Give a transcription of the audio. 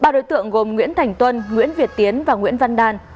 ba đối tượng gồm nguyễn thành tuân nguyễn việt tiến và nguyễn văn đan